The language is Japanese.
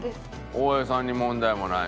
大江さんに問題もない。